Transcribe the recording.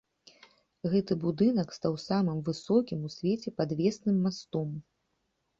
Гэты будынак стаў самым высокім у свеце падвесным мастом.